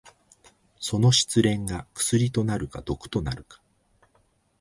その失恋が薬となるか毒となるか。